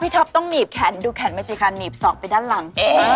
พี่ท็อปต้องหนีบแขนดูแขนเมจิกัลหนีบซอกไปด้านหลัง